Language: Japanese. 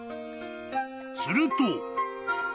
［すると］